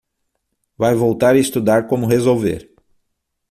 Vai voltar e estudar como resolver